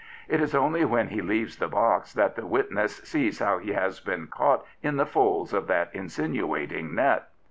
It is only when he leaves the box that the witness sees how he has been caught in the folds of that insinuating net.